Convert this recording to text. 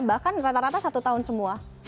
bahkan rata rata satu tahun semua